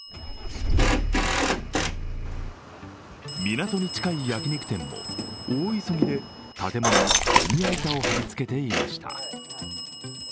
港に近い焼肉店も大急ぎで建物にベニヤ板を取り付けていました。